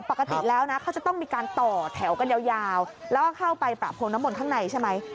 ปกติแล้วนะเขาจะต้องมีการต่อแถวกันยาวแล้วก็เข้าไปประพรมน้ำมนต์ข้างในใช่ไหม